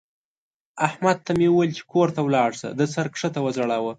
احمد ته مې وويل چې کور ته ولاړ شه؛ ده سر کښته وځړاوو.